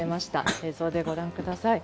映像でご覧ください。